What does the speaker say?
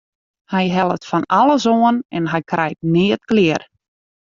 Hy hellet fan alles oan en hy krijt neat klear.